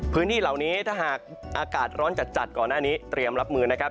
พื้นที่เหล่านี้ถ้าหากอากาศร้อนจัดก่อนหน้านี้เตรียมรับมือนะครับ